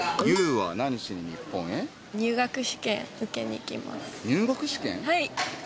はい。